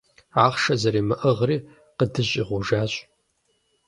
Ахъшэ зэримыӀыгъри къыдыщӀигъужащ.